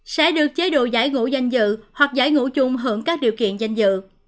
sẽ được chế độ giải ngũ danh dự hoặc giải ngũ chung hưởng các điều kiện danh dự